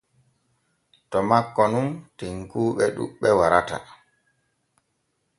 To makko nun tenkuuɓe ɗuɓɓe warata.